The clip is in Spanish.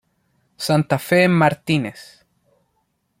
Santa Fe en Martínez.